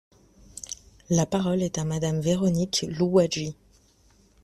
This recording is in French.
La parole est à Madame Véronique Louwagie.